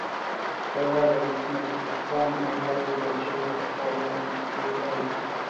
The relatives must perform no labor during the following three days.